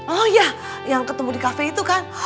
oh ya yang ketemu di kafe itu kan